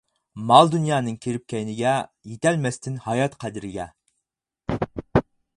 مال دۇنيانىڭ كىرىپ كەينىگە، يىتەلمەستىن ھايات قەدرىگە.